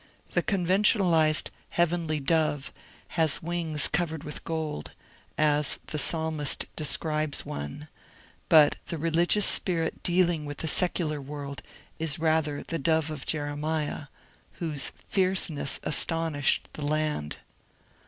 The conventionalized heavenly dove has wings covered with gold, as the psalmist describes one, but the religious spirit dealing with the secular world is rather the dove of Jeremiah, whose fierceness" astonished the land.